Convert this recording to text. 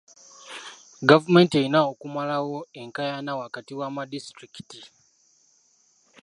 Gavumenti erina okumalawo enkaayana wakati w'amadisitulikiti.